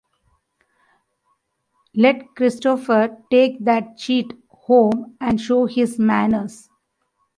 Let Christopher take that chit home and show his manners.